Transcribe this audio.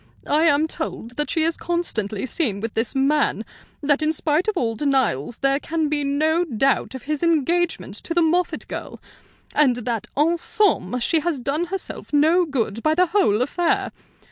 I am told that she is constantly seen with this man; that in spite of all denials there can be no doubt of his engagement to the Moffatt girl; and that en somme she has done herself no good by the whole affair.